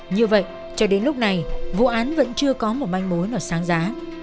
như vậy cho đến lúc này vụ án vẫn chưa có một manh mối nào sáng giá